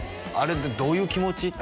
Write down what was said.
あれってどういう気持ち？